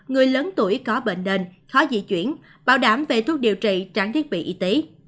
người lớn tuổi có bệnh nền khó di chuyển bảo đảm về thuốc điều trị trang thiết bị y tế